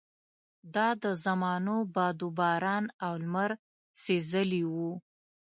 دا د زمانو باد وباران او لمر سېزلي وو.